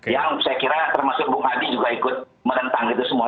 yang saya kira termasuk bung hadi juga ikut menentang itu semua